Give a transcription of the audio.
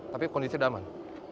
tapi kondisi sudah aman